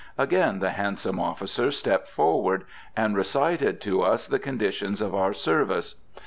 Again the handsome officer stepped forward, and recited to us the conditions of our service.